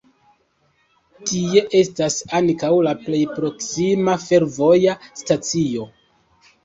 Tie estas ankaŭ la plej proksima fervoja stacio.